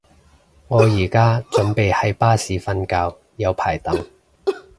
我而家準備喺巴士瞓覺，有排等